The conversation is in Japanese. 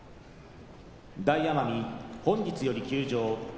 大奄美本日から休場。